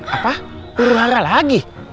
apa uruhara lagi